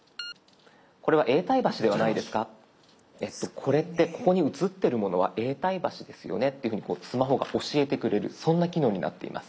これってここに写ってるものは永代橋ですよねっていうふうにスマホが教えてくれるそんな機能になっています。